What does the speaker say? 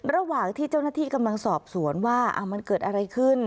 ระหว่างที่เจ้าหน้าที่กำลังสอบสวนว่ามันเกิดอะไรขึ้น